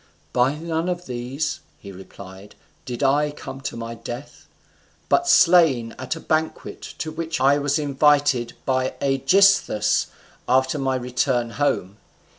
"By none of these," he replied, "did I come to my death; but slain at a banquet to which I was invited by Aegisthus after my return home.